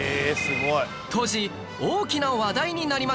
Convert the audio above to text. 当時大きな話題になりました